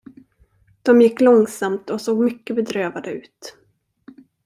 De gick långsamt och såg mycket bedrövade ut.